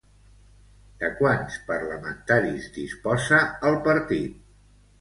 De quants parlamentaris disposa el partit?